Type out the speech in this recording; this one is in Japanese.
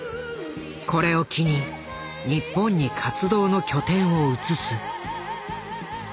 これを機に日本に活動の拠点を移す。